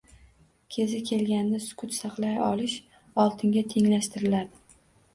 Kezi kelganida sukut saqlay olish oltinga tenglashtiriladi.